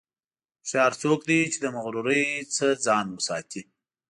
هوښیار څوک دی چې د مغرورۍ نه ځان ساتي.